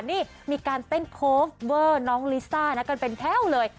นี่มีการเต้นโคเวอร์น้องลิซ่านะกันเป็นแถวเลย